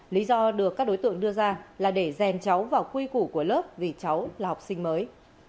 lý do được các đối tượng đưa ra là để rèn cháu vào quy củ của lớp vì cháu là học sinh mới